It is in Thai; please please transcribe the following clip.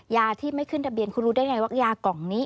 ยาที่ไม่ขึ้นทะเบียนคุณรู้ได้ไงว่ายากล่องนี้